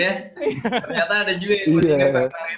ternyata ada juga yang gue inget